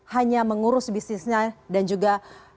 hanya mengurus bisnisnya dan juga